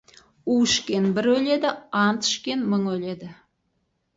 У ішкен бір өледі, ант ішкен мың өледі.